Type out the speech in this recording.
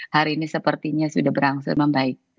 hari ini sepertinya sudah berangsur membaik